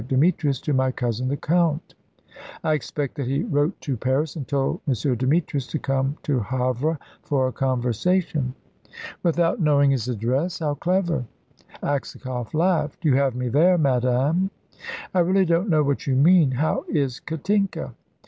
Demetrius to my cousin the Count. I expect that he wrote to Paris, and told M. Demetrius to come to Havre for a conversation." "Without knowing his address? How clever!" Aksakoff laughed. "You have me there, madame." "I really don't know what you mean. How is Katinka?"